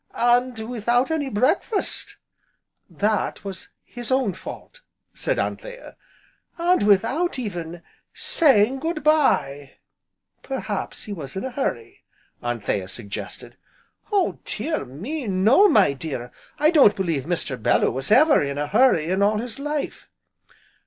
"And without any breakfast!" "That was his own fault!" said Anthea. "And without even saying 'Good bye'!" "Perhaps he was in a hurry," Anthea suggested. "Oh dear me, no my dear! I don't believe Mr. Bellew was ever in a hurry in all his life."